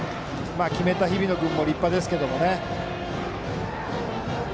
決めた日比野君も立派ですけどね。